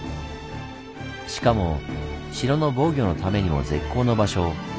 しかも城の防御のためにも絶好の場所。